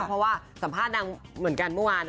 เพราะว่าสัมภาษณ์ดังเหมือนกันเมื่อวาน